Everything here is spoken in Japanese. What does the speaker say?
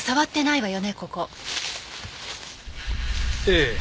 ええ。